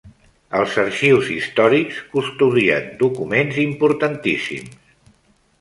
Els arxius històrics custodien documents importantíssims.